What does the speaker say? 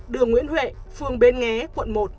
đường nguyễn huệ phường bến nghé quận một